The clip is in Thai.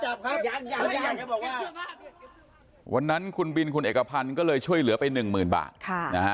จับครับไม่ว่าวันนั้นขุนดินของเอกพันก็เลยช่วยเหลือไปหนึ่งหมื่นบาทค่ะนะฮะ